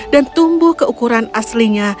dan tumbuh keukuran aslinya